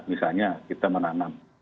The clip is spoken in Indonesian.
misalnya kita menanam